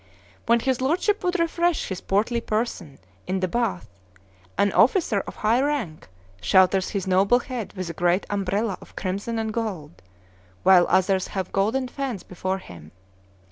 When his lordship would refresh his portly person in the bath, an officer of high rank shelters his noble head with a great umbrella of crimson and gold, while others wave golden fans before him.